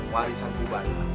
warisan kubah ini